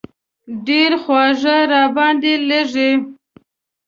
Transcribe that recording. ډېر خواږه را باندې لږي.